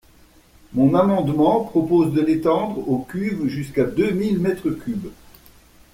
Mon amendement propose de l’étendre aux cuves jusqu’à deux mille mètres cubes.